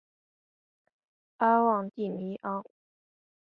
阿旺蒂尼昂。